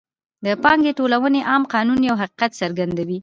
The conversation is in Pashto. د پانګې ټولونې عام قانون یو حقیقت څرګندوي